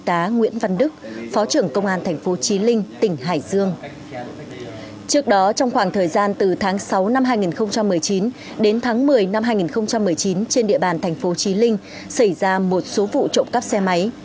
trước đó trong khoảng thời gian từ tháng sáu năm hai nghìn một mươi chín đến tháng một mươi năm hai nghìn một mươi chín trên địa bàn thành phố trí linh xảy ra một số vụ trộm cắp xe máy